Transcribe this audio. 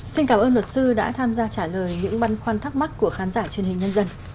xin cảm ơn luật sư đã tham gia trả lời những băn khoăn thắc mắc của khán giả truyền hình nhân dân